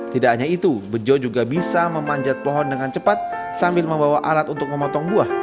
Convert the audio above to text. tidak hanya itu bejo juga bisa memanjat pohon dengan cepat sambil membawa alat untuk memotong buah